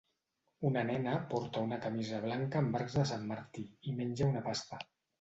Una nena porta una camisa blanca amb arcs de Sant Martí i menja una pasta.